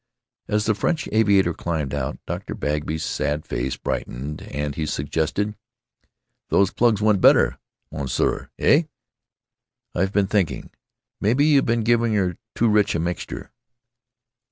As the French aviator climbed out, Dr. Bagby's sad face brightened and he suggested: "Those plugs went better, Munseer. Heh? I've been thinking. Maybe you been giving her too rich a mixture."